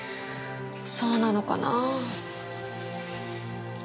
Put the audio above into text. そうなのかなぁ。